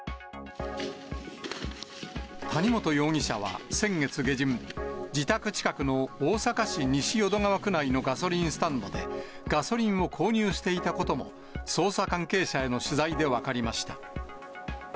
谷本容疑者は先月下旬、自宅近くの大阪市西淀川区内のガソリンスタンドで、ガソリンを購入していたことも、捜査関係者への取材で分かりました。